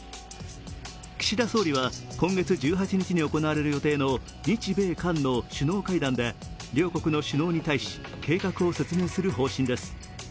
岸田総理は今月１８日に行われる予定の日米韓の首脳会談で、両国の首脳に対し計画を説明する方針です。